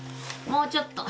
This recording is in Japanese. もうちょっと。